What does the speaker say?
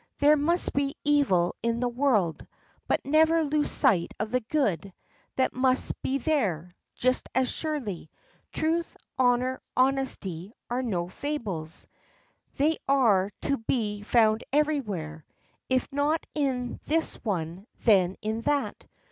There must be evil in the world, but never lose sight of the good; that must be there, just as surely. Truth, honor, honesty, are no fables; they are to be found everywhere. If not in this one, then in that.